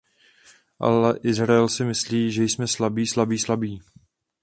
Ale Izrael si myslí, že jsme slabí, slabí, slabí.